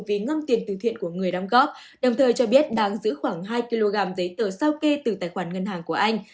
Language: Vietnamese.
vì ngân tiền từ thiện của người đóng góp đồng thời cho biết đang giữ khoảng hai kg giấy tờ sao kê từ tài khoản ngân hàng của anh